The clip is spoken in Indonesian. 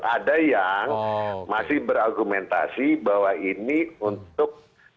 ada yang masih berargumentasi bahwa ini untuk